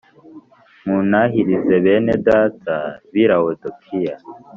Muntahirize bene Data b’i Lawodikiya